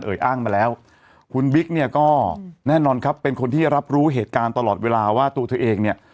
อ้างมาแล้วคุณบิ๊กเนี่ยก็แน่นอนครับเป็นคนที่รับรู้เหตุการณ์ตลอดเวลาว่าตัวเธอเองเนี่ย